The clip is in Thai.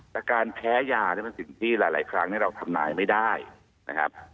แต่การแพ้ยานี่เป็นสิ่งที่หลายครั้งเราทำนายไม่ได้นะครับ